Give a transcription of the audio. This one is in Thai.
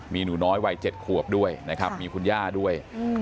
มีหนูน้อยวัย๗ขวบด้วยนะครับมีคุณย่าด้วย